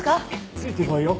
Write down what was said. ついてこいよ。